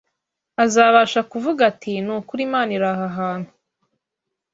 azabasha kuvuga ati, “Ni ukuri Imana iri aha hantu.